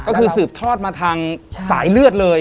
ก็คือสืบทอดมาทางสายเลือดเลย